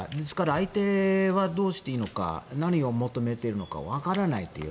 相手はどうしていいのか何を求めているのかわからないという。